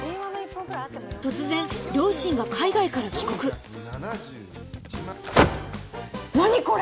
突然両親が海外から帰国何これ！？